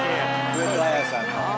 上戸彩さんの。